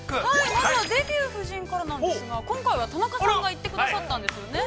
◆まずは「デビュー夫人」からなんですが今回は、田中さんが行ってくださったんですよね。